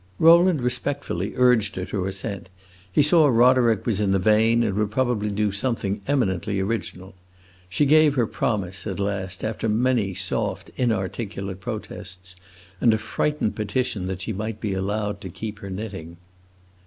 Rowland respectfully urged her to assent; he saw Roderick was in the vein and would probably do something eminently original. She gave her promise, at last, after many soft, inarticulate protests and a frightened petition that she might be allowed to keep her knitting.